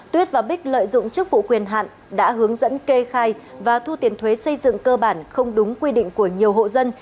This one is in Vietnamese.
tuyết và bích lợi dụng chức vụ quyền hạn đã hướng dẫn kê khai và thu tiền thuế xây dựng cơ bản không đúng quy định của nhiều hộ dân